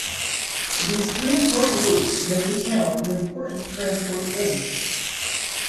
These three important routes make the town an important transport link.